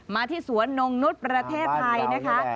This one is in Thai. มาที่สวนนงนุษย์ประเทศไทยนะคะ